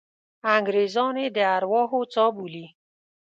انګریزان یې د ارواحو څاه بولي.